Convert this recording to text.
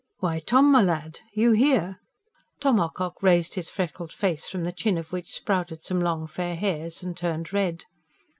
"Why, Tom, my lad, you here?" Tom Ocock raised his freckled face, from the chin of which sprouted some long fair hairs, and turned red.